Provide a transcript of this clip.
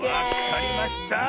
わかりました！